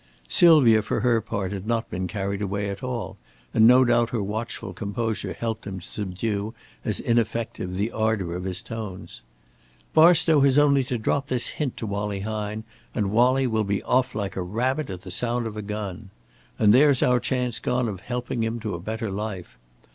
Sylvia for her part had not been carried away at all, and no doubt her watchful composure helped him to subdue as ineffective the ardor of his tones. "Barstow has only to drop this hint to Wallie Hine, and Wallie will be off like a rabbit at the sound of a gun. And there's our chance gone of helping him to a better life.